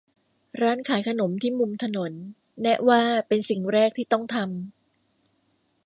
ร้านขายขนมที่มุมถนน แนะว่าเป็นสิ่งแรกที่ต้องทำ